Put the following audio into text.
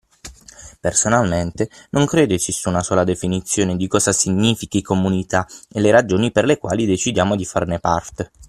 Personalmente non credo esista una sola definizione di cosa significhi comunità e le ragioni per le quali decidiamo di farne parte.